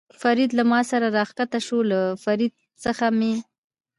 فرید له ما سره را کښته شو، له فرید څخه مې.